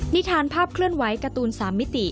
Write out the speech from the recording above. นิทานภาพเคลื่อนไหวการ์ตูน๓มิติ